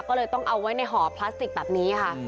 ก็เลยต้องเอาไว้ในห่อพลาสติกแบบนี้ค่ะ